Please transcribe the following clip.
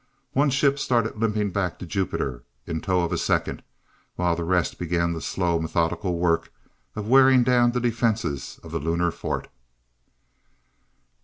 One ship started limping back to Jupiter, in tow of a second, while the rest began the slow, methodical work of wearing down the defenses of the Lunar Fort.